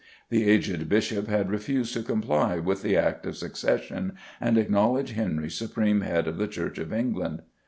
The aged Bishop had refused to comply with the Act of Succession and acknowledge Henry supreme head of the Church of England.